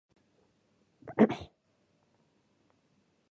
ফলে সব শান্তি আলোচনাই ব্যর্থ হয়েছে।